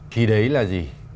thì đấy là gì